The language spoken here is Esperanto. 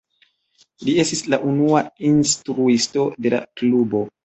Li estis la unua instruisto de la klubo.